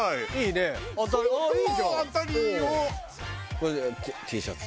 これＴシャツ。